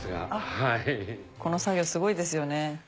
この作業すごいですよね。